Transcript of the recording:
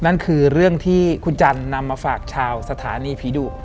นั่นคือเรื่องที่คุณจันทร์นำมาฝากชาวสถานีผีดุ